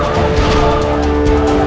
dewa temen aku